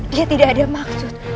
dia tidak ada maksud